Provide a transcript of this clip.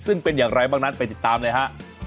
ซึ่งเป็นอย่างไรบ้างนั้นไปติดตามเลยฮะ